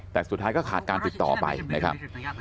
แต่สุดท้ายก็ขาดการติดต่อไปนะครับ